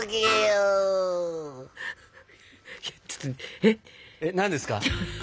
えっ何ですか？